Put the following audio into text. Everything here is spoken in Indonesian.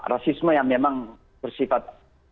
rasisme yang memang bersifat